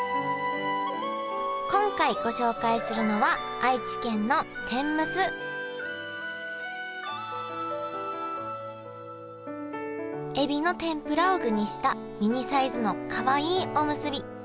今回ご紹介するのはエビの天ぷらを具にしたミニサイズのかわいいおむすび。